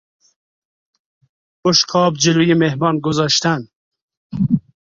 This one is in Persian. بشقاب جلو مهمان گذاشتن